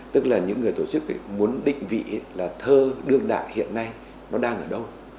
tức là những người tổ chức ấy muốn định vị là thơ đương đại hiện nay nó đang ở đâu